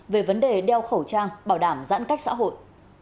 về vấn đề đeo khẩu trang bảo đảm giãn cách xã hội